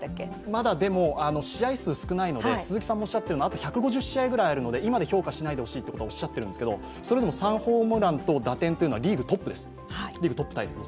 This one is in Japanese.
まだでも、試合数少ないので鈴木さんもおっしゃってるんですけどあと１５０試合ぐらいあるので今で評価しないでほしいということはおっしゃっているんですけどそれでも３ホームランと打点というのはリーグトップタイです。